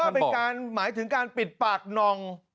เป็นการหมายถึงการปิดปากนอง